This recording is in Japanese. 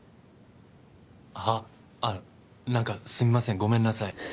ああっあの何かすみませんごめんなさい